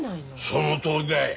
そのとおりだい。